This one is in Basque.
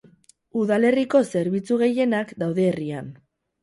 Udalerriko zerbitzu gehienak daude herrian.